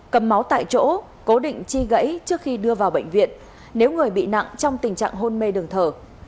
cầm máu tại chỗ cố định chi gãy trước khi đưa vào bệnh viện nếu người bị nặng trong tình trạng hôn mê đường thở